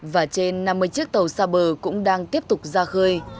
và trên năm mươi chiếc tàu xa bờ cũng đang tiếp tục ra khơi